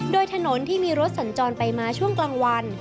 โดยถนนที่มีรถสัญจรไปมาช่วงกลางวัน